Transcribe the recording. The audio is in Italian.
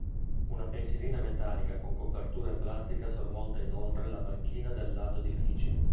Una pensilina metallica con copertura in plastica sormonta inoltre la banchina del lato edifici.